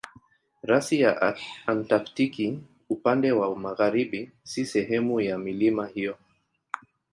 Rasi ya Antaktiki upande wa magharibi si sehemu ya milima hiyo.